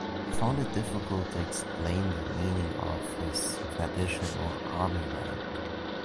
He found it difficult to explain the meaning of his "traditional" army rank.